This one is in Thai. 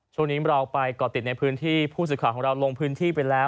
ช่วงนี้เราไปก่อติดในพื้นที่ผู้สื่อข่าวของเราลงพื้นที่ไปแล้ว